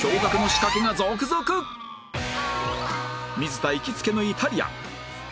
水田行きつけのイタリアン